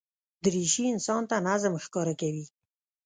دریشي انسان ته نظم ښکاره کوي.